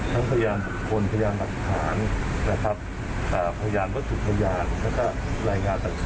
ทั้งพยายามสุทธิ์คนพยายามหักฐานนะครับพยายามพฤษฐุพยานแล้วก็รายงานตัดข่าย